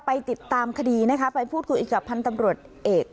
ไปติดตามคดีนะคะไปพูดคุยกับพันธ์ตำรวจเอก